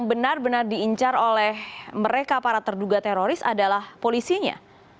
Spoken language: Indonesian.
pertama pencarian yang juga teroris adalah polisinya